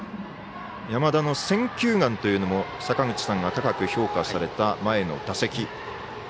山田の選球眼というのも坂口さんが高く評価された前の打席。